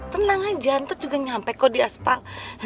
tenang aja ntar juga nyampe kok di aspal